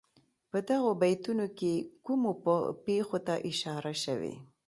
په دغو بیتونو کې کومو پېښو ته اشاره شوې.